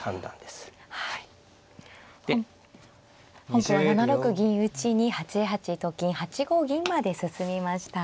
本譜は７六銀打に８八と金８五銀まで進みました。